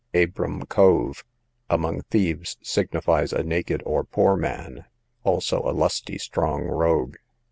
Abram Cove, among thieves signifies a naked or poor man; also a lusty strong rogue.